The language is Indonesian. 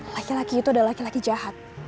laki laki itu adalah laki laki jahat